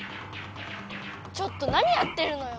ちょっと何やってるのよ！